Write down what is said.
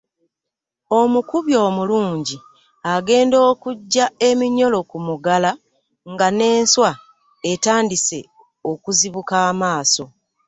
Omukubi omulungi agenda okuggya eminyolo ku mugala nga n’enswa etandise okuzibuka amaaso.